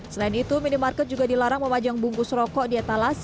selain itu minimarket juga dilarang memajang bungkus rokok di etalas